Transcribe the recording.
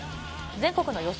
全国の予想